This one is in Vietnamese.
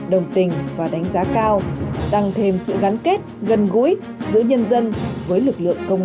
đồng tình và đánh giá cao tăng thêm sự gắn kết gần gũi giữa nhân dân với lực lượng công an